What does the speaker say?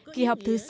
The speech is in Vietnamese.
kỳ họp thứ sáu